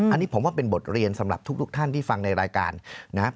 อันนี้ผมว่าเป็นบทเรียนสำหรับทุกท่านที่ฟังในรายการนะครับ